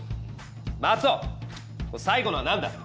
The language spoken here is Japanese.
マツオ最後のは何だ？